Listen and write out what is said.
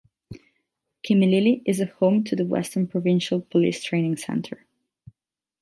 Kimilili is a home to the Western Provincial Police Training Center.